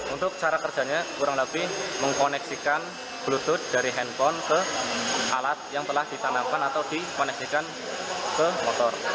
untuk cara kerjanya kurang lebih mengkoneksikan bluetooth dari handphone ke alat yang telah ditanamkan atau dikoneksikan ke motor